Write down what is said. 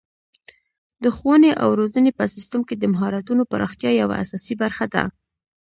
د ښوونې او روزنې په سیستم کې د مهارتونو پراختیا یوه اساسي برخه ده.